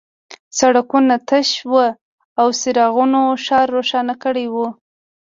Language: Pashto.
سړکونه تش وو او څراغونو ښار روښانه کړی و